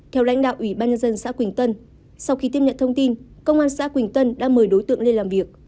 theo lãnh đạo ủy ban nhân dân xã quỳnh tân sau khi tiếp nhận thông tin công an xã quỳnh tân đã mời đối tượng lên làm việc